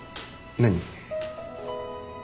何？